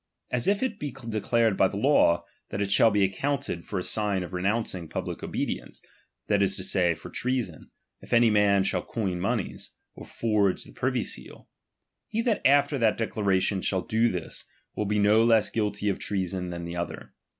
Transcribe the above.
As if it be declared by the law, that it shall be accounted for a sign of renouncing public obedience, that is to say, for treason, if any man shall coin monies, or forge the privy seal ; he that after that declaration shall do this, will be no less guilty of treason than the other.